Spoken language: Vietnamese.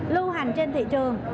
lưu hành trên thị trường